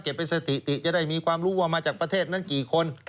เป็นสถิติจะได้มีความรู้ว่ามาจากประเทศนั้นกี่คน